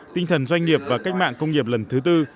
tinh thần doanh nghiệp và cách mạng công nghiệp lần thứ tư